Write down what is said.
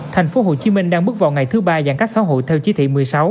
thành phố hồ chí minh đang bước vào ngày thứ ba dạng các xã hội theo chí thị một mươi sáu